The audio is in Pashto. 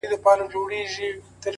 سایله اوس دي پر دښتونو عزرائیل وګوره-